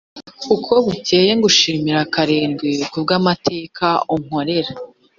uko bukeye ngushimira karindwi kubw’amateka nkorera